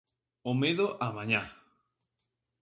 O medo á mañá.